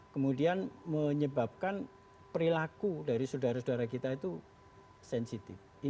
kemudian menyebabkan perilaku dari saudara saudara kita itu sensitif